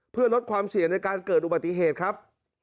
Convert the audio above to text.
เพื่อลดความเสี่ยงในการเกิดอุบัติเหตุครับ